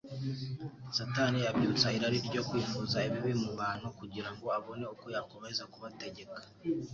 Satani abyutsa irari ryo kwifuza ibibi mu bantu, kugira ngo abone uko yakomeza kubategeka